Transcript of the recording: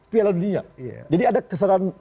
pilihan dunia jadi ada kesadaran